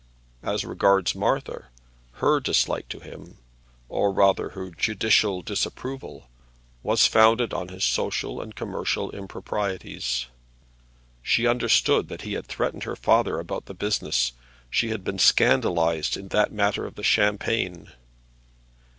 As regards Martha, her dislike to him, or rather, her judicial disapproval, was founded on his social and commercial improprieties. She understood that he had threatened her father about the business, and she had been scandalized in that matter of the champagne.